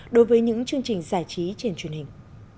đối với những chương trình giải trí trên truyền hình